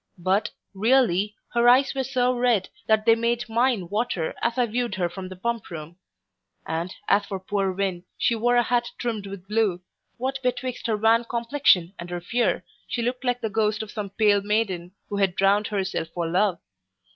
But, really, her eyes were so red, that they made mine water as I viewed her from the Pump room; and as for poor Win, who wore a hat trimmed with blue, what betwixt her wan complexion and her fear, she looked like the ghost of some pale maiden, who had drowned herself for love.